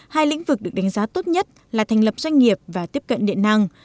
hai lĩnh vực được đánh giá tốt nhất là thành lập doanh nghiệp và tiếp cận điện năng